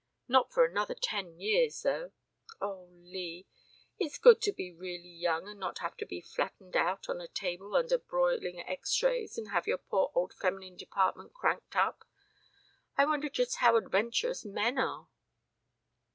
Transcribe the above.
Not for another ten years, though. Oh, Lee! it's good to be really young and not have to be flattened out on a table under broiling X Rays and have your poor old feminine department cranked up. ... I wonder just how adventurous men are?"'